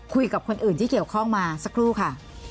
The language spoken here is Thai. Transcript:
คุยกับคนอื่นที่เกี่ยวข้องมาสักครู่ค่ะ